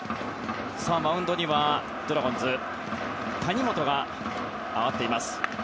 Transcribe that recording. マウンドにはドラゴンズ谷元が上がっています。